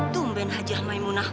tumben aja maimunah